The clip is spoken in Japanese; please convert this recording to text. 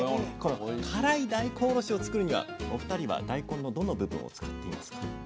この辛い大根おろしを作るにはお二人は大根のどの部分を使っていますか？